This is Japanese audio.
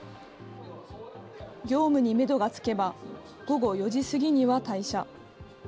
業務にメドがつけば、午後４時過ぎには退社。